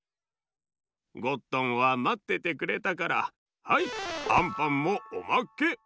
ゴットンはまっててくれたからはいアンパンもおまけ。